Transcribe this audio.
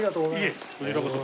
いえこちらこそ。